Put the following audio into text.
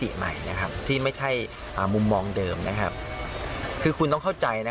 ใหม่นะครับที่ไม่ใช่อ่ามุมมองเดิมนะครับคือคุณต้องเข้าใจนะ